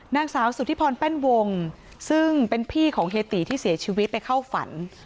นางสาวสุธิพรแป้นวงซึ่งเป็นพี่ของเฮียตีที่เสียชีวิตไปเข้าฝัน